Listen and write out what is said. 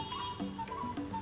kota pematang siantar